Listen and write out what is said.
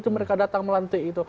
mereka datang melantik itu